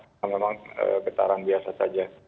bukan cuma getaran biasa saja